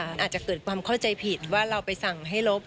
มันอาจจะเกิดความเข้าใจผิดว่าเราไปสั่งให้ลบ